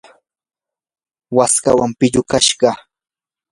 waskawan pillukashqa.